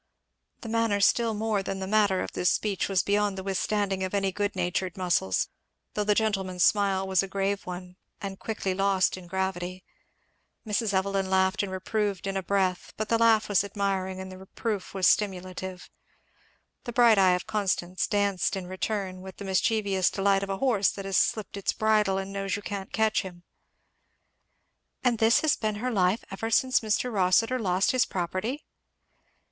The manner still more than the matter of this speech was beyond the withstanding of any good natured muscles, though the gentleman's smile was a grave one and quickly lost in gravity. Mrs. Evelyn laughed and reproved in a breath; but the laugh was admiring and the reproof was stimulative. The bright eye of Constance danced in return with the mischievous delight of a horse that has slipped his bridle and knows you can't catch him. "And this has been her life ever since Mr. Rossitur lost his property?"